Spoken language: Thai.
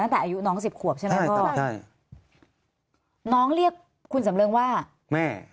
ตั้งแต่อายุน้องสิบขวบใช่ไหมพ่อใช่น้องเรียกคุณสำเริงว่าแม่